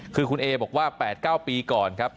คือคุณเอบอกว่า๘๙ปีก่อนครับ